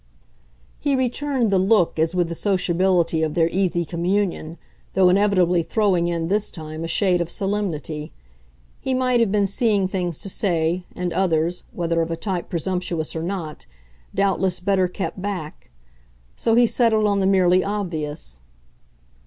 He returned the look as with the sociability of their easy communion, though inevitably throwing in this time a shade of solemnity. He might have been seeing things to say, and others, whether of a type presumptuous or not, doubtless better kept back. So he settled on the merely obvious.